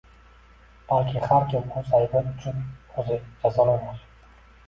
Balki har kim o'z aybi uchun o'zi jazolanar.